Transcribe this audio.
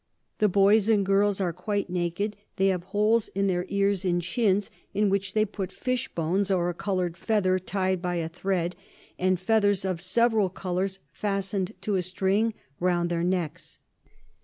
The Boys and Girls are quite naked. They have holes in their Ears and Chins, in which they put Fish Bones, or a colour'd Feather tied by a thred, and Feathers of several colours fasten'd to a string round their Necks.